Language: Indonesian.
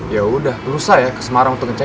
ya udah berusaha ya ke semarang untuk ngecek